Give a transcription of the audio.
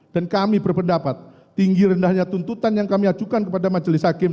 dan kami berpendapat tinggi rendahnya tuntutan yang kami ajukan kepada majelis hakim